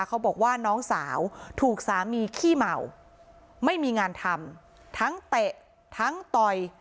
เขาบอกว่าน้องสาวถูกสามีขี้เหมาไม่มีงานทำทั้งเตะทั้งต่อย